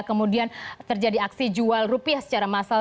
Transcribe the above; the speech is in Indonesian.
kemudian terjadi aksi jual rupiah secara massal